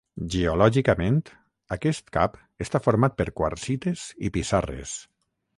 Geològicament aquest cap està format per quarsites i pissarres.